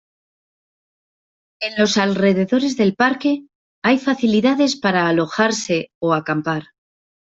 En los alrededores del parque hay facilidades para alojarse o acampar.